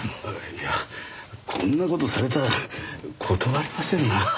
いやこんな事されたら断れませんなあ。